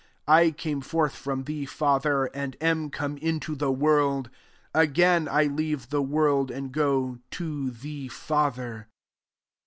* 28 I came forth from the Father, and am come into the world : again, i leave the world, and go to the Father."